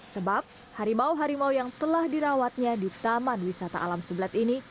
sebab harimau harimau yang telah dirawatnya di taman wisata alam sebelat ini